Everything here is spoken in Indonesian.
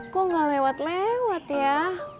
kok nggak lewat lewat ya